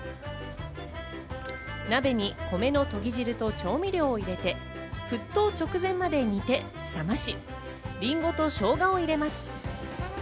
鍋に米のとぎ汁と調味料を入れて沸騰直前まで煮て冷まし、りんごとしょうがを入れます。